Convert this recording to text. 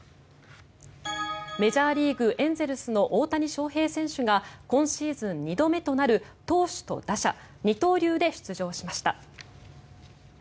メジャーリーグ、エンゼルスの大谷翔平選手が今シーズン２度目となる投手と打者、二刀流で出場しました。